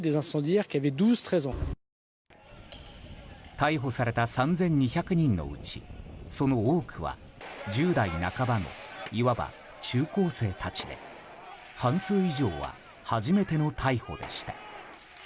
逮捕された３２００人のうちその多くは、１０代半ばのいわば中高生たちで半数以上は初めての逮捕でした。